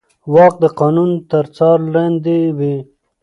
واک د قانون تر څار لاندې وي.